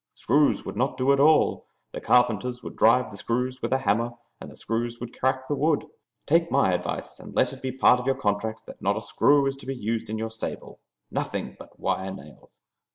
Screws would not do at all. The carpenters would drive the screws with a hammer, and the screws would crack the wood. Take my advice and let it be part of your contract that not a screw is to be used in your stable; nothing but wire nails.